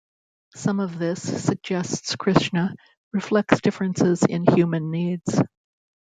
Some of this, suggests Krishna, reflects differences in human needs.